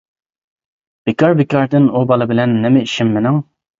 بىكار بىكاردىن، ئۇ بالا بىلەن نېمە ئىشىم مېنىڭ!